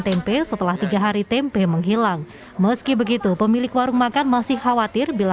tempe setelah tiga hari tempe menghilang meski begitu pemilik warung makan masih khawatir bila